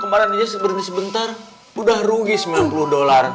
kemarin aja berhenti sebentar udah rugi sembilan puluh dolar